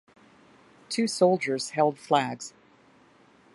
Two soldiers held flags.